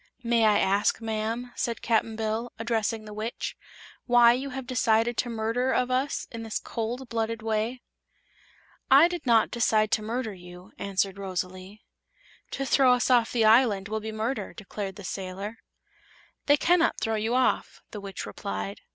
"May I ask, ma'am," said Cap'n Bill, addressing the Witch, "why you have decided to murder of us in this cold blooded way?" "I did not decide to murder you," answered Rosalie. "To throw us off the island will be murder," declared the sailor. "Then they cannot throw you off," the Witch replied.